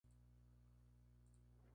Es hijo de Don y Susan Brooks.